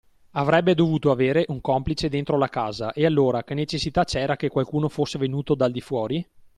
Avrebbe dovuto avere un complice dentro la casa e allora che necessità c'era che qualcuno fosse venuto dal di fuori?